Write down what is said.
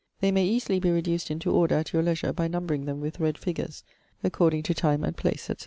They may easily be reduced into order at your leisure by numbring them with red figures, according to time and place, &c.